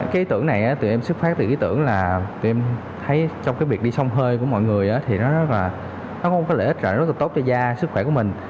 cái ý tưởng này tụi em xức phát từ ý tưởng là tụi em thấy trong cái việc đi sông hơi của mọi người thì nó rất là nó không có lợi ích nó rất là tốt cho da sức khỏe của mình